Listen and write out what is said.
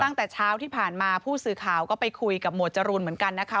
ตั้งแต่เช้าที่ผ่านมาผู้สื่อข่าวก็ไปคุยกับหมวดจรูนเหมือนกันนะคะ